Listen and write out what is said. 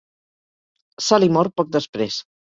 Sally mor poc després.